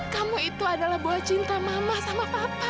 kamu itu adalah buah cinta mama sama papa